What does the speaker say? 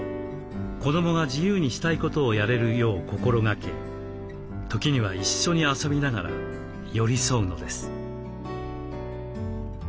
子どもが自由にしたいことをやれるよう心がけ時には一緒に遊びながら寄り添うのです。